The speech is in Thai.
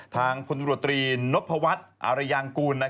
ทางพลตำรวจตรีนพวัฒน์อารยางกูล